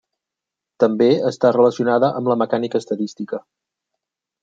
També està relacionada amb la mecànica estadística.